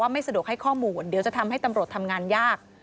ไม่สะดวกให้ข้อมูลเดี๋ยวจะทำให้ตำรวจทำงานยาก